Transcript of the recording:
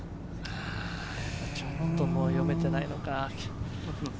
ちょっと読めてないのか。